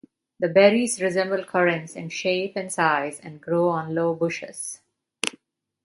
The berries resemble currants in shape and size and grow on low bushes.